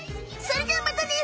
それじゃまたね！